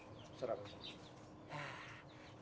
beserah bang sani